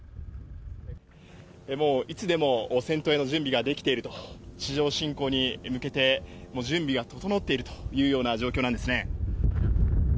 もういつでも戦闘への準備ができていると、地上侵攻に向けて、準備が整っているというような状況なんですね。